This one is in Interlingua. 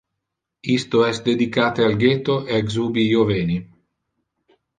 Isto es dedicate al ghetto ex ubi io veni.